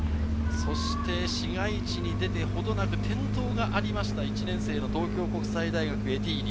市街地に出てほどなく転倒がありました、１年生の東京国際大学エティーリ。